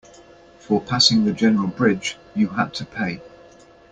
For passing the general bridge, you had to pay.